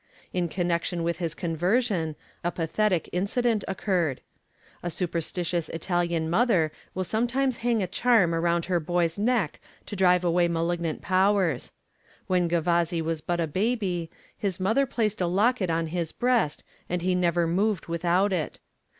In connection with his conversion, a pathetic incident occurred. A superstitious Italian mother will sometimes hang a charm around her boy's neck to drive away malignant powers. When Gavazzi was but a baby, his mother placed a locket on his breast, and he never moved without it.